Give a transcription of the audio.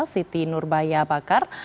siti nurbaya bakar